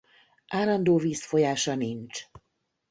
Állandó vízfolyása nincs.